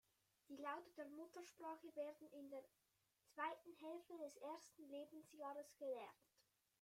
Die Laute der Muttersprache werden in der zweiten Hälfte des ersten Lebensjahres gelernt.